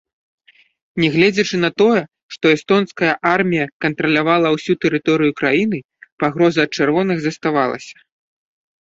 Нягледзячы на тое, што эстонская армія кантралявала ўсю тэрыторыю краіны, пагроза ад чырвоных заставалася.